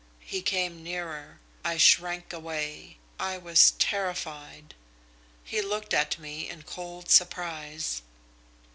He came nearer. I shrank away. I was terrified! He looked at me in cold surprise.